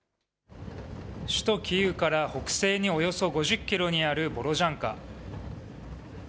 首都キーウから北西におよそ５０キロにあるボロジャンカ。